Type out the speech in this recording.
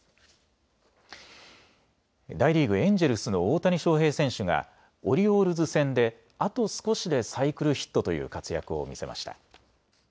大リーグ、エンジェルスの大谷翔平選手がオリオールズ戦であと少しでサイクルヒットという活躍を見せました。